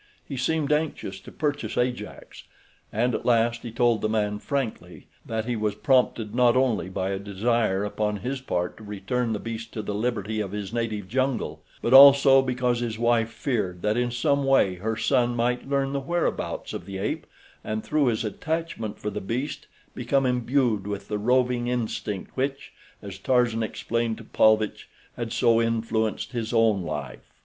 He seemed anxious to purchase Ajax, and at last he told the man frankly that he was prompted not only by a desire upon his part to return the beast to the liberty of his native jungle; but also because his wife feared that in some way her son might learn the whereabouts of the ape and through his attachment for the beast become imbued with the roving instinct which, as Tarzan explained to Paulvitch, had so influenced his own life.